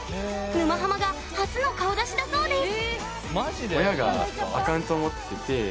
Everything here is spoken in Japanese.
「沼ハマ」が初の顔出しだそうです。